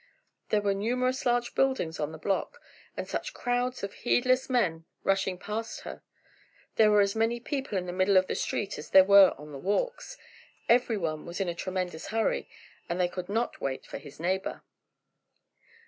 There were numerous large buildings on the block, and such crowds of heedless men rushing passed her! There were as many people in the middle of the street as there were on the walks. Everyone was in a tremendous hurry, and could not wait for his neighbor.